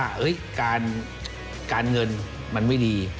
ก็คือคุณอันนบสิงต์โตทองนะครับ